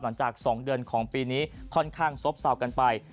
หลังจาก๒เดือนของปีนี้ค่อนข้างซบเซากันไป